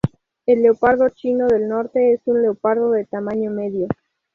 El leopardo chino del Norte es un leopardo de tamaño medio.